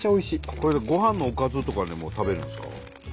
これごはんのおかずとかでも食べるんですか？